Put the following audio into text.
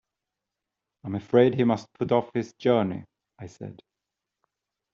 “I am afraid he must put off his journey,” I said.